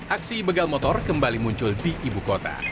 aksi begal motor kembali muncul di ibu kota